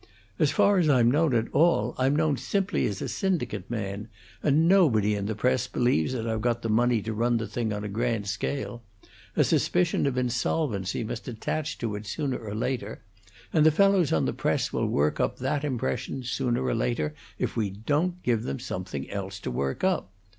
As far as I'm known at all, I'm known simply as a syndicate man, and nobody in the press believes that I've got the money to run the thing on a grand scale; a suspicion of insolvency must attach to it sooner or later, and the fellows on the press will work up that impression, sooner or later, if we don't give them something else to work up.